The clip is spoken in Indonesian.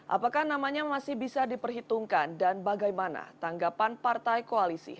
apakah namanya masih bisa diperhitungkan dan bagaimana tanggapan partai koalisi